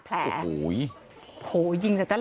กังฟูเปล่าใหญ่มา